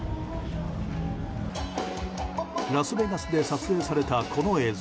ラスベガスで撮影されたこの映像。